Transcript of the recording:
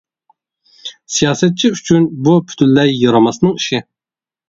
سىياسەتچى ئۈچۈن بۇ پۈتۈنلەي يارىماسنىڭ ئىشى!